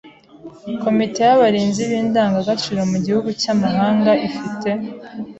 Komite y’abarinzi b’indangagaciro mu gihugu cy’amahanga ifite